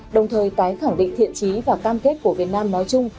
đồng thời tái khẳng định thiện trí và cam kết của việt nam nói chung